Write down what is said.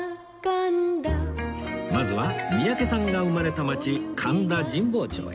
まずは三宅さんが生まれた街神田神保町へ